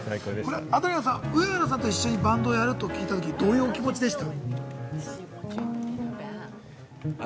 アドリアンさん、上原さんと一緒にバンドをやると聞いたとき、どういうお気持ちでした？